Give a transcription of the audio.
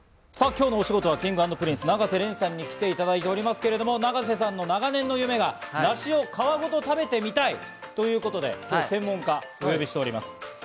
今日の推しゴトはＫｉｎｇ＆Ｐｒｉｎｃｅ、永瀬廉さんに来ていただいておりますけど、永瀬さんの長年の夢が梨を皮ごと食べてみたいということで今日は専門家をお呼びしております。